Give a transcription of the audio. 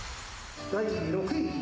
第６位。